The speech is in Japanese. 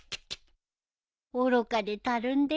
「愚かでたるんでる」か。